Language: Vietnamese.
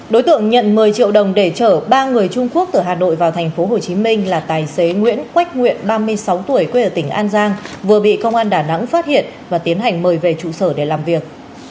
đối tượng nhận một mươi triệu đồng để chở ba người trung quốc từ hà nội vào tp hcm là tài xế nguyễn quách nguyện ba mươi sáu tuổi quê ở tỉnh an giang vừa bị công an đà nẵng phát hiện và tiến hành mời về trụ sở để làm việc